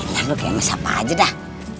nah lo kayak sama siapa aja dah